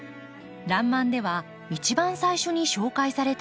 「らんまん」では一番最初に紹介された花です。